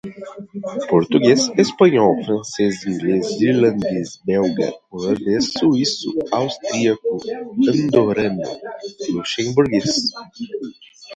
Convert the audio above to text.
Português, Espanhol, Francês, Inglês, Irlandês, Belga, Holandês, Suíço, Austríaco, Andorrano, Luxemburguês.